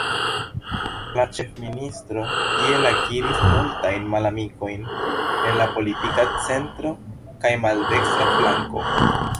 La ĉefministro tiel akiris multajn malamikojn en la politika centro kaj maldekstra flanko.